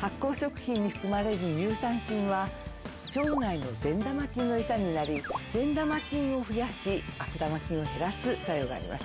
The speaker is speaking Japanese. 発酵食品に含まれる乳酸菌は腸内の善玉菌の餌になり善玉菌を増やし悪玉菌を減らす作用があります。